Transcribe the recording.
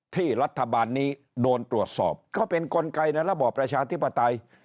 ที่รัฐบาลนี้โดนตรวจสอบก็เป็นกลไกในระบอบประชาธิปไตย